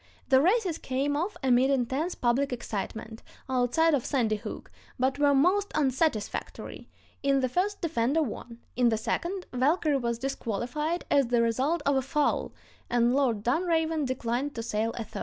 The races came off amid intense public excitement, outside of Sandy Hook, but were most unsatisfactory; "in the first, Defender won; in the second, Valkyrie was disqualified as the result of a foul, and Lord Dunraven declined to sail a third."